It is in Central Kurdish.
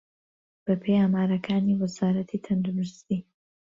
بەپێی ئامارەکانی وەزارەتی تەندروستی